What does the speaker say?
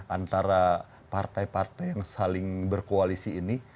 antara partai partai yang saling berkoalisi ini